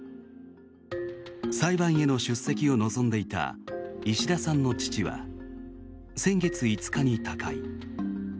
裁判への出席を望んでいた石田さんの父は先月５日に他界。